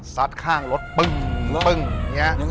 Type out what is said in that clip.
สัตว์ข้างรถปึ้งอย่างนั้นเลย